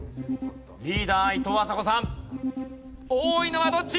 リーダーいとうあさこさん多いのはどっち？